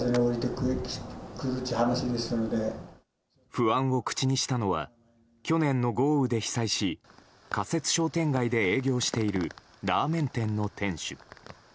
不安を口にしたのは去年の豪雨で被災し仮設商店街で営業しているラーメン店の店主。